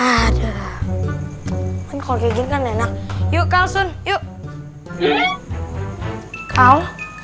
ada mengkori kan enak yuk langsung yuk kau